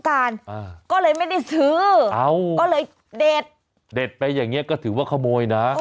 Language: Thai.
ก็เลยเด็ดเด็ดไปอย่างนี้ก็ถือว่าขโมยนะ